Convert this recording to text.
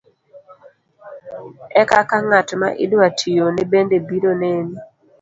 e kaka ng'at ma idwa tiyone bende biro neni.